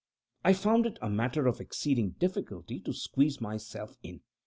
I found it a matter of exceeding difficulty to squeeze myself in.